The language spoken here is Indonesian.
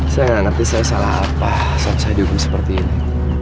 saya nggak ngerti saya salah apa saya dihukum seperti ini